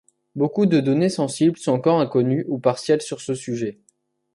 Beaucoup de données sensibles sont encore inconnues ou partielles sur ce sujet.